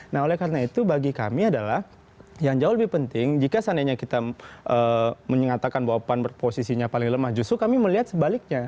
nah oleh karena itu bagi kami adalah yang jauh lebih penting jika seandainya kita menyatakan bahwa pan berposisinya paling lemah justru kami melihat sebaliknya